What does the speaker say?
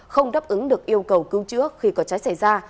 không đáp ứng được yêu cầu cứu trước khi có cháy xảy ra